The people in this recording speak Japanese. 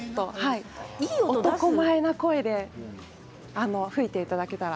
男前な声で吹いていただけたら。